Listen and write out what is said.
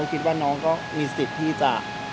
คิดว่าน้องก็มีสิทธิ์ที่จะ